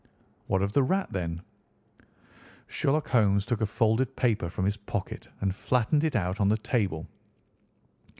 "What of the rat, then?" Sherlock Holmes took a folded paper from his pocket and flattened it out on the table.